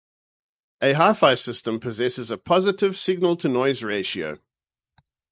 A hi-fi system possesses a positive signal-to-noise ratio.